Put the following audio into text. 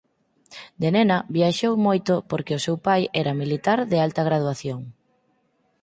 De nena viaxou moito porque o seu pai era militar de alta graduación.